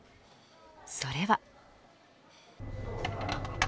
それは。